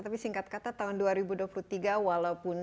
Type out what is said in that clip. tapi singkat kata tahun dua ribu dua puluh tiga walaupun